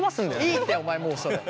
いいってお前もうそれ。